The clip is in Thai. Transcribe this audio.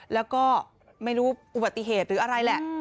แล้วก็ไม่รู้อุบัติเหตุหรืออะไรแหละ